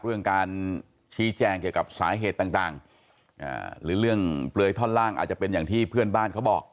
เรื่องการชี้แจงเกี่ยวกับสาเหตุต่างหรือเรื่องเปลือยท่อนล่างอาจจะเป็นอย่างที่เพื่อนบ้านเขาบอก